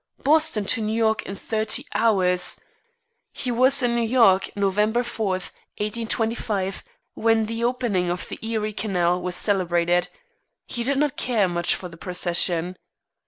Boston to New York in thirty hours! He was in New York November 4, 1825, when the opening of the Erie Canal was celebrated. He did not care much for the procession.